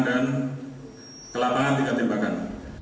dan ke lapangan tiga tembakan